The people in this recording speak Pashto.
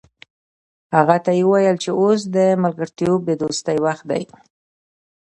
هغه ته یې وویل چې اوس د ملګرتوب او دوستۍ وخت دی.